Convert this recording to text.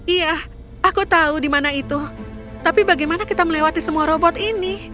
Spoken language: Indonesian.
iya aku tahu di mana itu tapi bagaimana kita melewati semua robot ini